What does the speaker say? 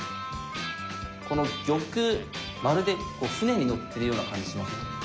この玉まるで舟に乗ってるような感じしません？